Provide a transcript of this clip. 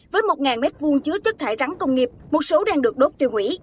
với một m hai chứa chất thải rắn công nghiệp một số đang được đốt tiêu hủy